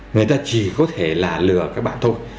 người ta chỉ có thể là lừa các bạn thôi